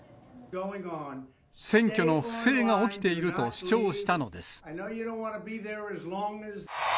選挙の不正が起きていると主張したのです。